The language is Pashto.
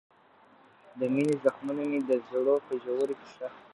د مینې زخمونه مې د زړه په ژورو کې ښخ دي.